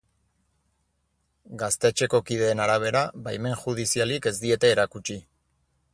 Gaztetxeko kideen arabera, baimen judizialik ez diete erakutsi.